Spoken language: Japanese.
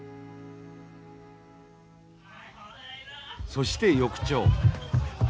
そして翌朝。